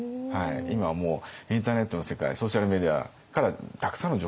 今はもうインターネットの世界ソーシャルメディアからたくさんの情報が集まりますので。